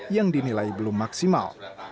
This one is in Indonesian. yang dinilai belum maksimal